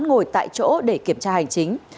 ngồi tại chỗ để kiểm tra hành chính